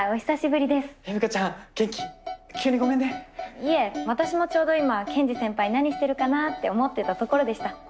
いえ私もちょうど今ケンジ先輩何してるかなって思ってたところでした。